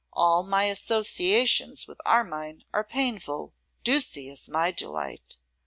All my associations with Armine are painful. Ducie is my delight.